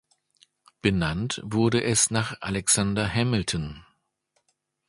Benannt wurde es nach Alexander Hamilton.